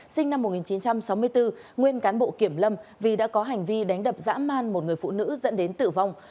sinh năm một nghìn chín trăm sáu mươi bốn nguyên cán bộ kiểm lâm vì đã có hành vi đánh đập dã man một người phụ nữ dẫn đến tử vong